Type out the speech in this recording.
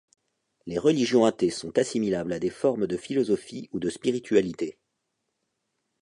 Les religions athées sont assimilables à des formes de philosophies ou de spiritualités.